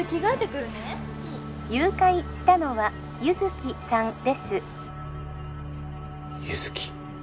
うん☎誘拐したのは優月さんですユヅキ？